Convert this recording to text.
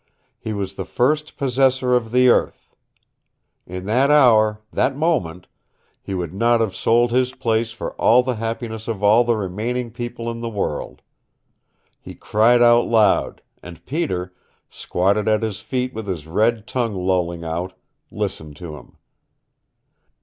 He was the First Possessor of the earth. In that hour, that moment, he would not have sold his place for all the happiness of all the remaining people in the world. He cried out aloud, and Peter, squatted at his feet with his red tongue lolling out, listened to him.